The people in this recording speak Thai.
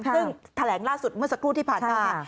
ซึ่งแถลงล่าสุดเมื่อสักครู่ที่ผ่านมา